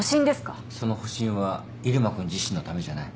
その保身は入間君自身のためじゃない。